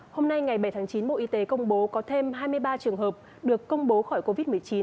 hôm nay ngày bảy tháng chín bộ y tế công bố có thêm hai mươi ba trường hợp được công bố khỏi covid một mươi chín